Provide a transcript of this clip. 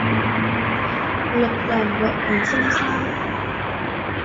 Lập đàn gọi tí xem sao